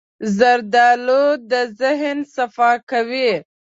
زردالو د ذهن صفا کوي.